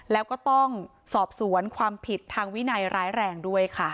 แล้วก็ต้องสอบสวนความผิดทางวินัยร้ายแรงด้วยค่ะ